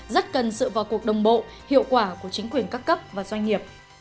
rất cần sự vào cuộc đồng bộ hiệu quả của chính quyền các cấp và doanh nghiệp